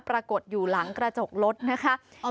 ปรากฏอยู่หลังกระจกรถนะคะ